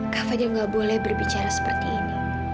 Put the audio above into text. kak fadil gak boleh berbicara seperti ini